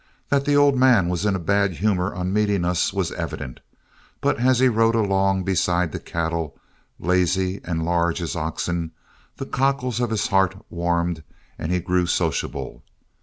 That the old man was in a bad humor on meeting us was evident; but as he rode along beside the cattle, lazy and large as oxen, the cockles of his heart warmed and he grew sociable.